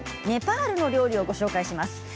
ネパールの料理をご紹介します。